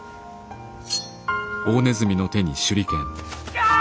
やあ！